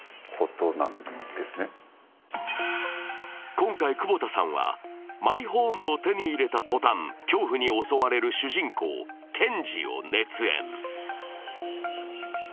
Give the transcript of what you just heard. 今回、窪田さんはマイホームを手に入れたとたん恐怖に襲われる主人公・賢ニを熱演。